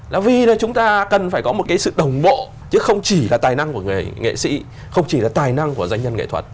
là vì chúng ta cần phải có một cái sự đồng bộ chứ không chỉ là tài năng của người nghệ sĩ không chỉ là tài năng của doanh nhân nghệ thuật